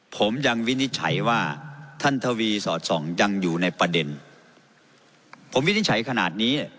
ผมยังวินิจฉัยว่าท่านทวีสอดส่องยังอยู่ในประเด็นผมวินิจฉัยขนาดนี้